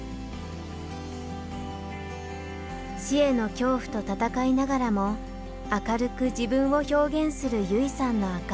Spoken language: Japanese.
死への恐怖と闘いながらも明るく自分を表現する優生さんのアカウント。